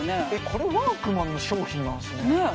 これワークマンの商品なんすねねえ